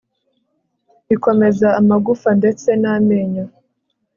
ikomeza amagufa ndetse n'amenyo